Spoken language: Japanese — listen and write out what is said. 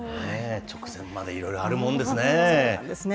直前までいろいろあるもんですね。